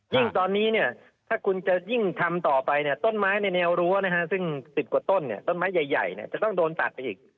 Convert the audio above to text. ยิ่งตอนนี้เนี่ยถ้าคุณจะยิ่งทำต่อไปเนี่ยต้นไม้ในแนวรั้วนะฮะซึ่ง๑๐กว่าต้นต้นไม้ใหญ่จะต้องโดนตัดไปอีก